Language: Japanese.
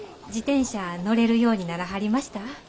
自転車乗れるようにならはりました？